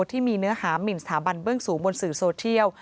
ที่มีเนื้อหามินสถาบันเบื้องสูงบนสื่อโซเทียล